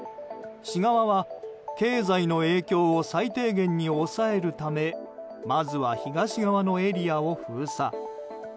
市側は経済の影響を最低限に抑えるためまずは東側のエリアを封鎖。